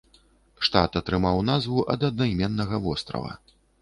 Штат атрымаў назву ад аднайменнага вострава.